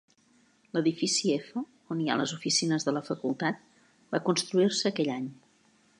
L'edifici F, on hi ha les oficines de la facultat, va construir-se aquell any.